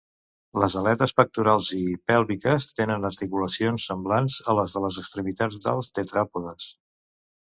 Les aletes pectorals i pèlviques tenen articulacions semblants a les de les extremitats dels tetràpodes.